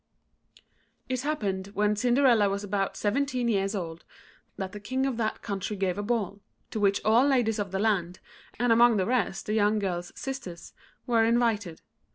] It happened, when Cinderella was about seventeen years old, that the King of that country gave a ball, to which all ladies of the land, and among the rest the young girl's sisters, were invited.